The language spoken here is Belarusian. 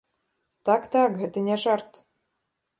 Так-так, гэта не жарт.